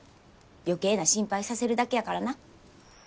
余計な心配させるだけやからな。